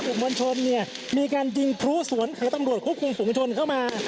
กลุ่มมลชนเนี่ยมีการยิงพร้อมสวนของตำรวจควบคุมส่วนมลชนเข้ามา